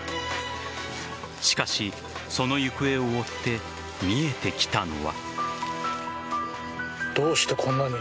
しかし、その行方を追って見えてきたのは。